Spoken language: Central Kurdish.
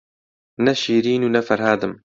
نە شیرین و نە فەرهادم